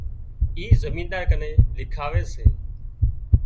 اِي زمينۮار ڪن لکاوي سي